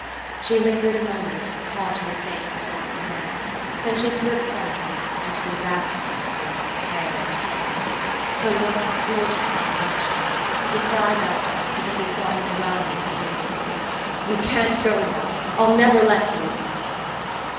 She lingered a moment, caught in the same strong current; then she slipped from him and drew back a step or two, pale and troubled. Her look smote him with compunction, and he cried out, as if he saw her drowning in a dream: "You can't go, Matt! I'll never let you!"